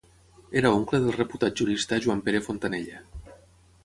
Era oncle del reputat jurista Joan Pere Fontanella.